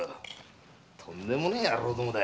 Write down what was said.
とんでもねえ野郎どもだ！